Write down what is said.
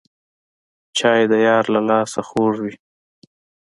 چای د یار له لاسه خوږ وي